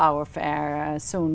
ở đà lạt